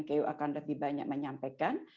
kemudian dari aspek kesehatan